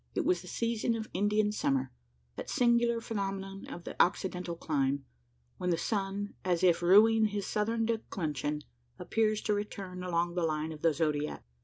It was the season of "Indian summer" that singular phenomenon of the occidental clime, when the sun, as if rueing his southern declension, appears to return along the line of the zodiac.